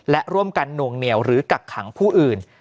และร่วมกันหน่วงเหนียวหรือกักขังผู้อื่น